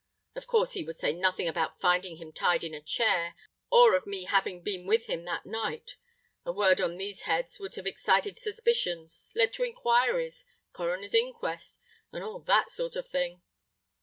Of course he would say nothing about finding him tied in a chair, or of me having been with him that night: a word on these heads would have excited suspicions—led to inquiries—Coroner's inquest—and all that sort of thing.